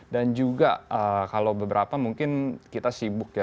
dan juga kalau beberapa mungkin kita sibuk ya